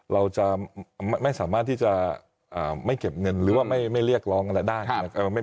เราจะไม่สามารถที่จะไม่เก็บเงินหรือว่าไม่เรียกร้องอะไรได้